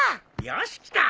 よしきた！